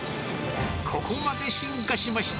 ここまで進化しました！